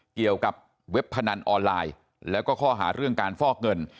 เว็บพนันออนไลน์แล้วก็ข้อหาเรื่องการฟอกเงิน